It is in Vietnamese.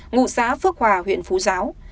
ngụ xã phước hòa huyện phú giáo